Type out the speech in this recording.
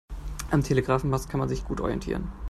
Am Telegrafenmast kann man sich gut orientieren.